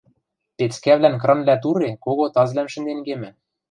Пецкӓвлӓн кранвлӓ туре кого тазвлӓм шӹнден кемӹ.